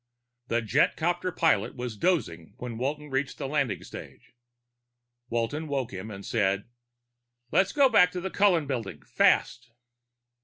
The jetcopter pilot was dozing when Walton reached the landing stage. Walton woke him and said, "Let's get back to the Cullen Building, fast."